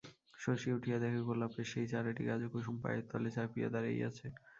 শশী উঠিয়া দ্যাখে গোলাপের সেই চারাটিকে আজও কুসুম পায়ের তলে চাপিয়া দাড়াইয়াছে।